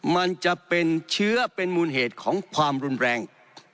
มันจะเป็นเชื้อเป็นมูลเหตุของความรุนแรง